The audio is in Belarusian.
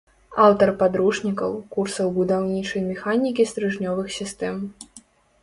Аўтар падручнікаў, курсаў будаўнічай механікі стрыжнёвых сістэм.